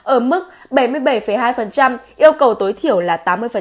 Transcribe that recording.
ở mức bảy mươi bảy hai yêu cầu tối thiểu là tám mươi